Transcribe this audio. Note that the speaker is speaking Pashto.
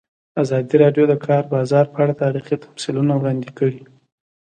ازادي راډیو د د کار بازار په اړه تاریخي تمثیلونه وړاندې کړي.